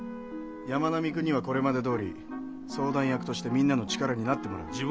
山南君にはこれまでどおり相談役としてみんなの力になってもらう。